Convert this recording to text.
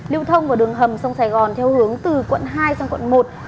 lưu thông vào đường hầm sông sài gòn theo hướng từ quận hai sang quận một